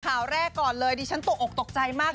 ข่าวแรกก่อนเลยดิฉันตกออกตกใจมาก